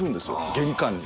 玄関に。